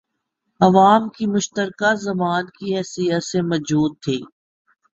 عوام کی مشترکہ زبان کی حیثیت سے موجود تھی